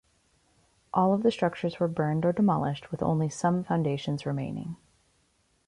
All of the structures were burned or demolished, with only some foundations remaining.